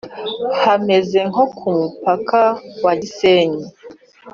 Hameze nko ku mupaka wa Gisenyi